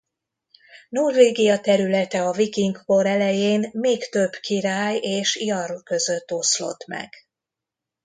Norvégia területe a viking kor elején még több király és jarl között oszlott meg.